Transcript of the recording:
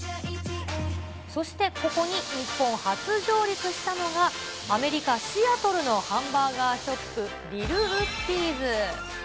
そして、ここに日本初上陸したのが、アメリカ・シアトルのハンバーガーショップ、リル・ウッディーズ。